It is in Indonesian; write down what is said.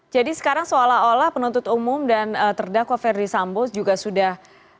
jadi sekarang seolah olah penuntut umum dan terdakwa ferdy sambo juga sudah